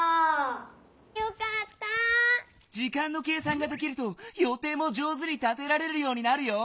時間の計算ができるとよていも上手に立てられるようになるよ。